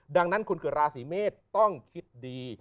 ดังนั้นคนเกิดราศีเมษต้องคิดดี